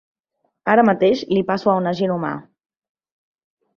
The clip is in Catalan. Ara mateix li passo a un agent humà.